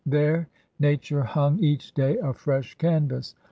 There Nature hung each day a fresh canvas.